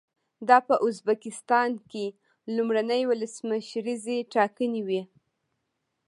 دا په ازبکستان کې لومړنۍ ولسمشریزې ټاکنې وې.